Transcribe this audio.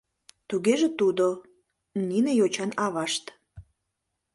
— Тугеже тудо — нине йочан авашт.